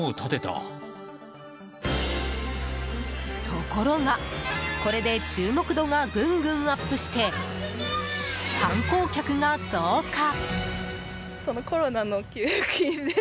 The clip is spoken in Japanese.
ところが、これで注目度がぐんぐんアップして観光客が増加。